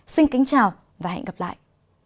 xin kính chào và hẹn gặp lại